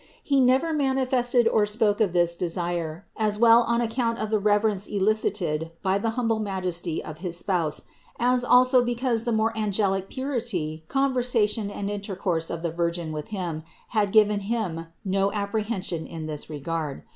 He never manifested or spoke of this desire, as well on account of the rever ence elicited by the humble majesty of his Spouse as also because the more than angelic purity, conversation and intercourse of the Virgin with him had given him no apprehension in this regard.